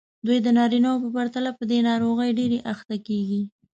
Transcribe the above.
دوی د نارینه وو په پرتله په دې ناروغۍ ډېرې اخته کېږي.